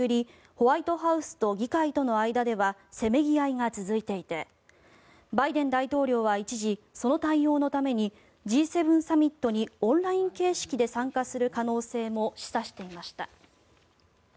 ホワイトハウスと議会との間ではせめぎ合いが続いていてバイデン大統領は一時その対応のためにＧ７サミットにオンライン形式で参加する可能性も示唆していました。